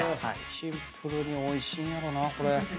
シンプルにおいしいんやろなこれ。